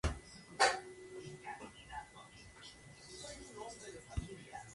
El acelerador debe proporcionar una alta intensidad y ser altamente fiable.